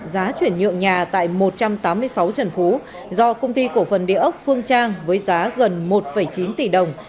giá chuyển nhượng nhà tại một trăm tám mươi sáu trần phú do công ty cổ phần địa ốc phương trang với giá gần một chín tỷ đồng